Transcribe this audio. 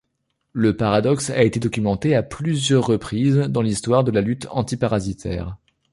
Le paradoxe a été documenté à plusieurs reprises dans l'histoire de la lutte antiparasitaire.